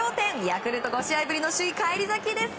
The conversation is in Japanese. ヤクルト５試合ぶりの首位返り咲きです。